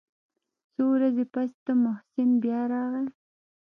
څو ورځې پس ته محسن بيا راغى.